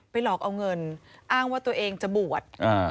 หลอกเอาเงินอ้างว่าตัวเองจะบวช